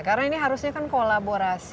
karena ini harusnya kan kolaborasi